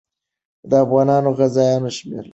د افغاني غازیانو شمېر لږ دی.